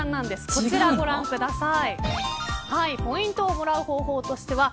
こちらご覧ください。